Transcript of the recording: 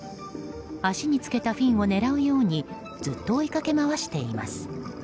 足につけたフィンを狙うようにずっと追いかけ回しています。